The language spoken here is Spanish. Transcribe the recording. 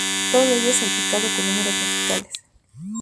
Todo ello salpicado con números musicales.